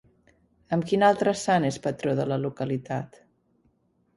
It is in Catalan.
Amb quin altre sant és patró de la localitat?